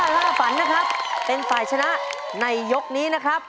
ล่าฝันนะครับเป็นฝ่ายชนะในยกนี้นะครับ